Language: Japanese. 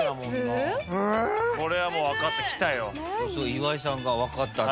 岩井さんが分かったと。